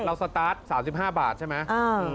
สตาร์ท๓๕บาทใช่ไหม